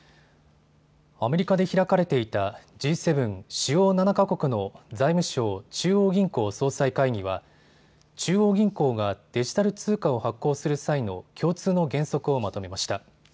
アメリカで開かれていたＧ７・主要７か国の財務相・中央銀行総裁会議は中央銀行がデジタル通貨を発行する際の共通の原則をまとめました。